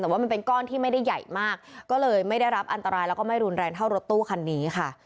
แต่ว่ามันเป็นก้อนที่ไม่ได้ใหญ่มากก็เลยไม่ได้รับอันตรายแล้วก็ไม่รุนแรงเท่ารถตู้คันนี้ค่ะ